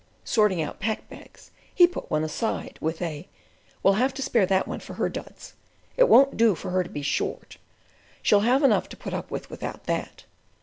Sorting out pack bags, he put one aside, with a "We'll have to spare that for her duds. It won't do for her to be short. She'll have enough to put up with, without that."